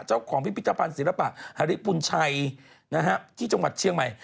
เจ้าของพิจารณ์ศิลปะหริปุ่นชัยที่จังหวัดเชียงใหม่